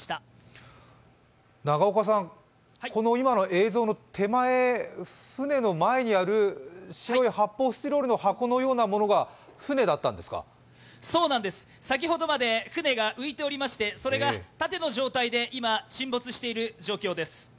永岡さん、今の映像の手前、船の前にある白い発泡スチロールの箱のようなものがそうなんです、先ほどまで船がありまして、それが縦の状態で今、沈没している状況です。